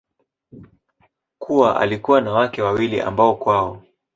kuwa alikuwa na wake wawili ambao kwao